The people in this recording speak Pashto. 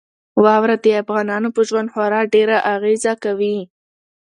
واوره د افغانانو په ژوند خورا ډېره اغېزه کوي.